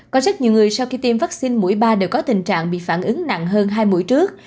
có rất nhiều người sau khi tiêm vaccine mũi ba đều có tình trạng bị phản ứng nặng hơn hai mũi trước